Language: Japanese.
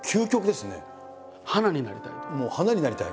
もう花になりたい。